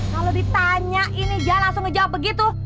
kalau ditanya ini dia langsung ngejawab begitu